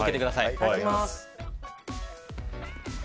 いただきます。